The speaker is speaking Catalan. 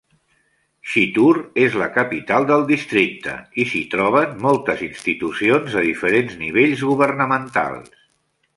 Chittoor és la capital del districte i s'hi troben moltes institucions de diferents nivells governamentals.